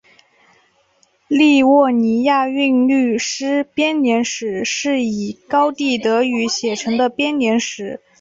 利沃尼亚韵律诗编年史是以高地德语写成的编年史。